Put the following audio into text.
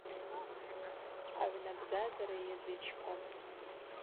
Агӏвнабзазара йазычпапӏ.